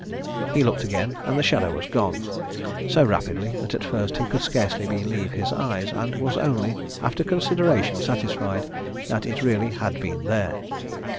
He looked again and the shadow was gone so rapidly that at first he could scarcely believe his eyes, and was only, after consideration, satisfied that it really had been there.